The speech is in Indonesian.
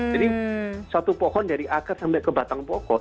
jadi satu pohon dari akar sampai ke batang pokok